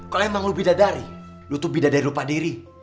kalo emang lo bidadari lo tuh bidadari lupa diri